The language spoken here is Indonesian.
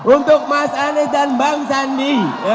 untuk mas anies dan bang sandi